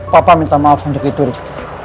papa minta maaf untuk itu terus